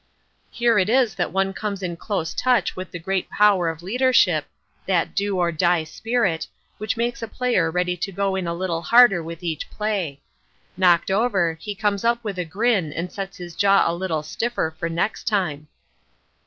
Here it is that one comes in close touch with the great power of leadership, that "do or die" spirit, which makes a player ready to go in a little harder with each play. Knocked over, he comes up with a grin and sets his jaw a little stiffer for next time.